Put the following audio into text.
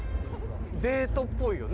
デートっぽいよね